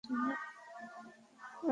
আমারও দেখা হয়ে ভালো লাগলো, স্প্রাইট।